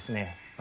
私